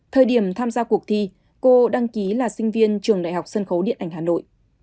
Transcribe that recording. thời điểm tham gia cuộc thi cô đăng ký là sinh viên trường đại học sân khấu điện ảnh hà nội